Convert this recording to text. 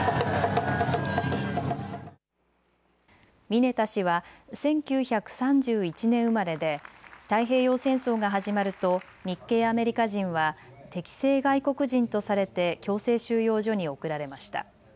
ミネタ氏は１９３１年生まれで太平洋戦争が始まると日系アメリカ人は敵性外国人とされて強制収容所に送られました。